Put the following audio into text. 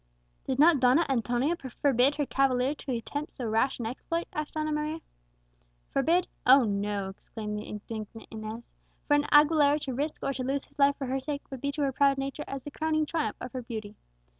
"Did not Donna Antonia forbid her cavalier to attempt so rash an exploit?" asked Donna Maria. "Forbid! oh no!" exclaimed the indignant Inez; "for an Aguilera to risk or to lose his life for her sake would be to her proud nature as the crowning triumph of her beauty!